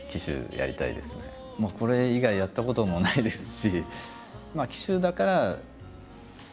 これ以外やったこともないですし。